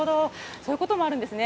そういうこともあるんですね。